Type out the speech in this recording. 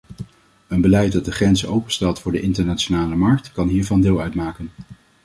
Een beleid dat de grenzen openstelt voor de internationale markt kan hiervan deel uitmaken.